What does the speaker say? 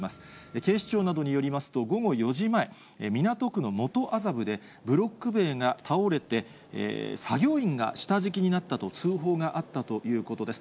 警視庁などによりますと、午後４時前、港区の元麻布でブロック塀が倒れて、作業員が下敷きになったと通報があったということです。